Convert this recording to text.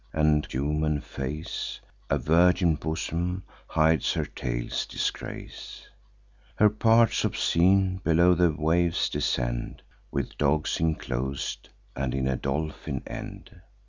A human face, And virgin bosom, hides her tail's disgrace: Her parts obscene below the waves descend, With dogs inclos'd, and in a dolphin end.